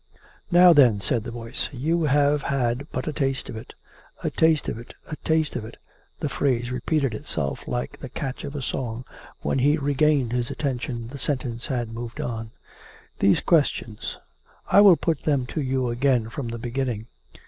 " Now, then," said the voice, " you have had but a taste of it. ..."(" A taste of it; a taste of it." The phrase repeated itself like the catch of a song. ... When he re gained his attention, the sentence had moved on.) "... these questions. I will put them to you again from the beginning.